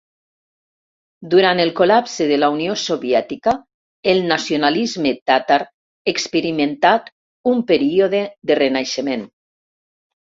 Durant el col·lapse de la Unió Soviètica el nacionalisme tàtar experimentat un període de renaixement.